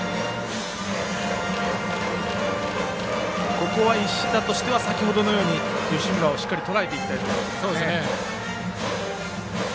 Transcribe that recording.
ここは石田としては先ほどのように吉村をしっかりとらえていきたいところ。